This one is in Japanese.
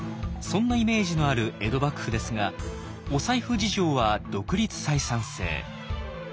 そんなイメージのある江戸幕府ですがお財布事情は独立採算制。